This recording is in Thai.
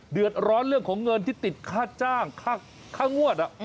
เดือดร้อนเรื่องของเงินที่ติดค่าจ้างค่างวด